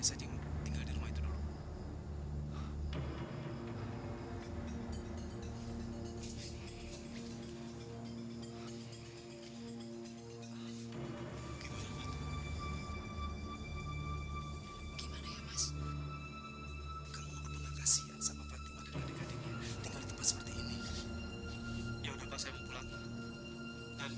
anjing kak ia juga bersinggung kan